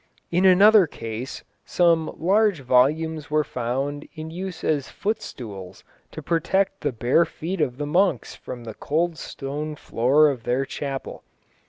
In another case some large volumes were found in use as footstools to protect the bare feet of the monks from the cold stone floor of their chapel.